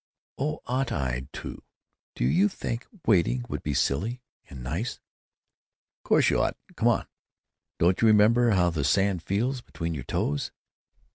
"Oh, ought I to, do you think? Wading would be silly. And nice." "Course you oughtn't. Come on. Don't you remember how the sand feels between your toes?"